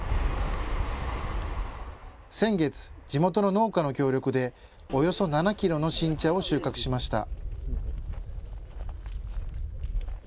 先月、地元の農家の協力でおよそ７キロの新茶を収穫しました。